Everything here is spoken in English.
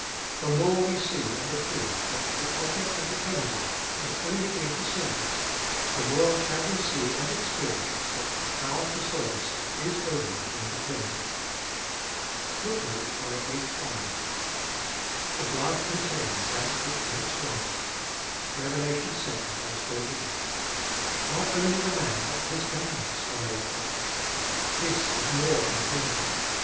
The more we see and approve that the object of the cleansing must only be for service, the more shall we see and experience that the power for service is only in the cleansing.1 How much more shall the blood cleanse from dead works 1 "The blood contains that which makes white (Rev. vii. 14). Not only the man, but his garments are made white. This is more than cleansing.